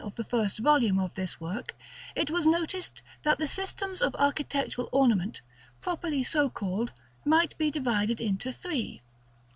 of the first volume of this work, it was noticed that the systems of architectural ornament, properly so called, might be divided into three: 1.